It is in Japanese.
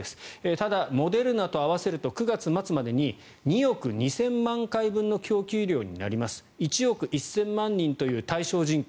ただ、モデルナと合わせると９月末までに２億２０００万回分の供給量になります１億１０００万人という対象人口